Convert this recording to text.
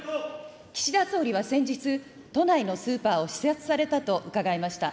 岸田総理は先日、都内のスーパーを視察されたと伺いました。